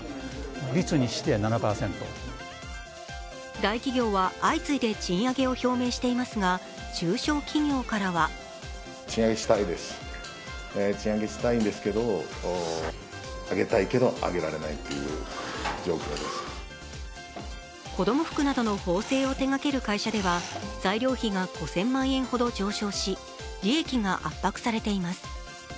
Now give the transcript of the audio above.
大企業は相次いで賃上げを表明していますが、中小企業からは子供服などの縫製を手がける会社では材料費が５０００万円ほど上昇し利益が圧迫されています。